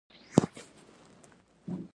قره باغ انګور مشهور دي؟